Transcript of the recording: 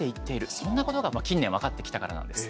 そんなことが近年分かってきたからなんです。